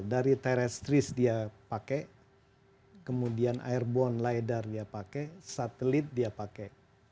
dari terestries dia pakai kemudian airborne lidar dia pakai satelit dia pakai